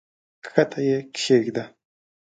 کښته یې کښېږده!